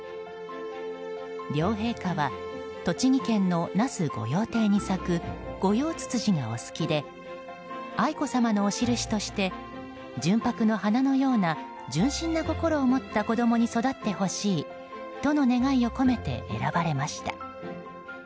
両陛下は栃木県の那須御用邸に咲くゴヨウツツジがお好きで愛子さまのお印として純白の花のような純真な心を持った子供に育ってほしいとの願いを込めて選ばれました。